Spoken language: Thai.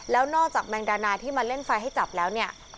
แล้วนอกจากแมงดานาที่มาเล่นไฟให้จับแล้วเนี่ย